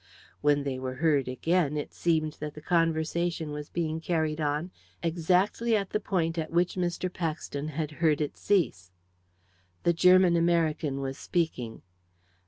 When they were heard again it seemed that the conversation was being carried on exactly at the point at which Mr. Paxton had heard it cease. The German American was speaking.